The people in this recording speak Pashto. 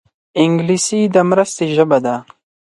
انګلیسي د مرستې ژبه ده